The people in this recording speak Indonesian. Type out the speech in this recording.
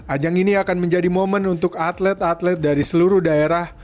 ajang ini akan menjadi momen untuk atlet atlet dari seluruh daerah